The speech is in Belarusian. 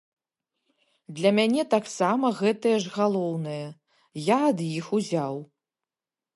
Для мяне таксама гэтае ж галоўнае, я ад іх узяў.